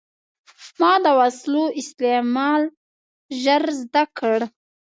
ما د وسلو استعمال ژر زده کړ.